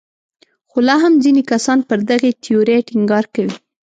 خو لا هم ځینې کسان پر دغې تیورۍ ټینګار کوي.